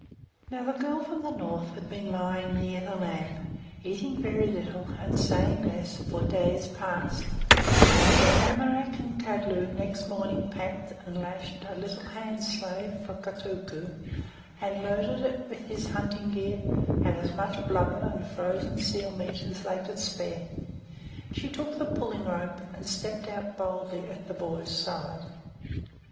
Now the girl from the North had been lying near the lamp, eating very little and saying less for days past; but when Amoraq and Kadlu next morning packed and lashed a little hand sleigh for Kotuko, and loaded it with his hunting gear and as much blubber and frozen seal meat as they could spare, she took the pulling rope, and stepped out boldly at the boy's side.